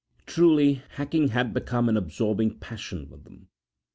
Truly, hacking had become an absorbing passion with them.